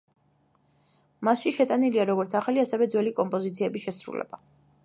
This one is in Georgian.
მასში შეტანილია როგორც ახალი, ასევე ძველი კომპოზიციების შესრულება.